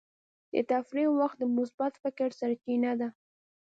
د تفریح وخت د مثبت فکر سرچینه ده.